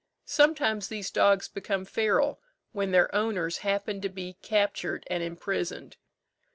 Sometimes these dogs become feral, when their owners happen to be captured and imprisoned.